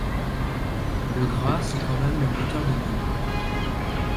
Le gras, c’est quand même le moteur de nos vies.